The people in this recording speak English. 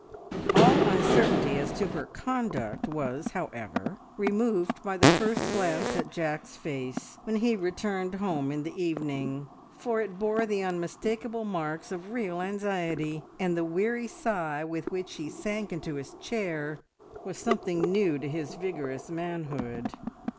All uncertainty as to her conduct was, however, removed by the first glance at Jack's face when he returned home in the evening, for it bore the unmistakable marks of real anxiety, and the weary sigh with which he sank into his chair was something new to his vigorous manhood.